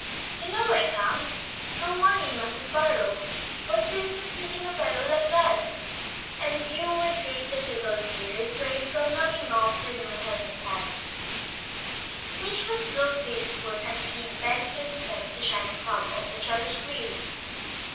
"You know I can't! No money, and mustn't borrow. What's the use of twitting a fellow like that?" and Hugh with great difficulty refrained from knocking off the new helmet hat which was close to his foot as Sid bent to inspect the shining hub of the cherished wheel.